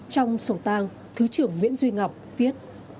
trong sổng tàng thứ trưởng nguyễn duy ngọc viết